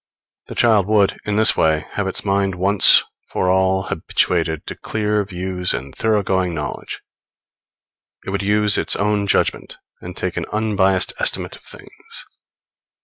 The child would, in this way, have its mind once for all habituated to clear views and thorough going knowledge; it would use its own judgment and take an unbiased estimate of things.